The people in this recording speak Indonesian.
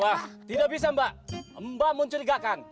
wah tidak bisa mbak mbak mencurigakan